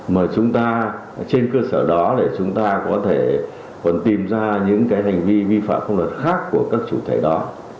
mà chúng ta trên cơ sở đó để chúng ta có thể còn tìm ra những cái hành vi vi phạm pháp luật khác của các chủ thể đó